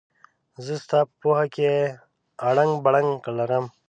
زه ستا په پوهه کې اړنګ بړنګ لرم.